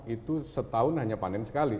itu setahun hanya panen sekali